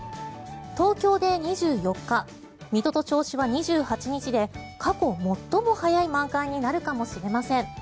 東京で２４日水戸と銚子は２８日で過去最も早い満開になるかもしれません。